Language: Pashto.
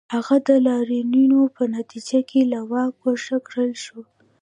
هغه د لاریونونو په نتیجه کې له واکه ګوښه کړل شو.